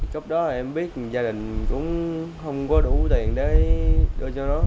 cấp đó là em biết gia đình cũng không có đủ tiền để đưa cho nó